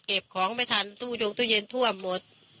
เก็บของไปทันตู้โยงตู้เย็นท่วมหมด